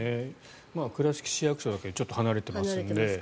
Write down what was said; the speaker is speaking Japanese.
倉敷市役所だけちょっと離れていますんで。